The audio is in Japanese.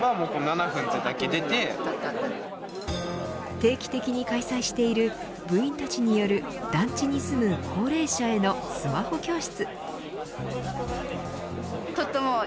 定期的に開催している部員たちによる団地に住む高齢者へのスマホ教室。